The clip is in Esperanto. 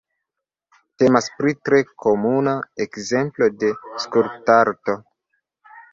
Temas pri tre komuna ekzemplo de skulptarto.